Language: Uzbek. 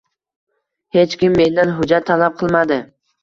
Hech kim mendan hujjat talab qilmadi